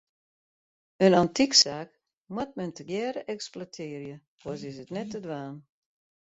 In antyksaak moat men tegearre eksploitearje, oars is it net te dwaan.